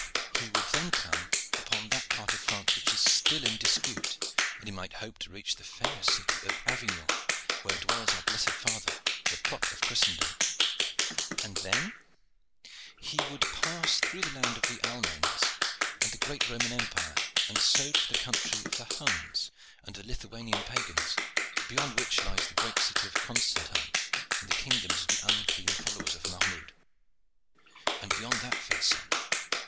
"He would then come upon that part of France which is still in dispute, and he might hope to reach the famous city of Avignon, where dwells our blessed father, the prop of Christendom." "And then?" "Then he would pass through the land of the Almains and the great Roman Empire, and so to the country of the Huns and of the Lithuanian pagans, beyond which lies the great city of Constantine and the kingdom of the unclean followers of Mahmoud." "And beyond that, fair son?"